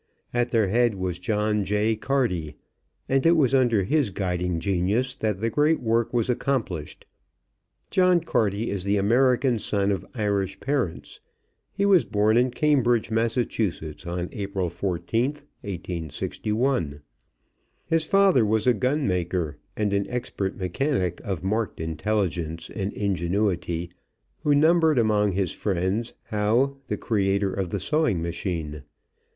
At their head was John J. Carty, and it was under his guiding genius that the great work was accomplished. John Carty is the American son of Irish parents. He was born in Cambridge, Massachusetts, on April 14, 1861. His father was a gun maker and an expert mechanic of marked intelligence and ingenuity who numbered among his friends Howe, the creator of the sewing machine.